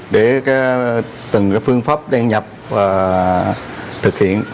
để từng phương pháp đăng nhập và thực hiện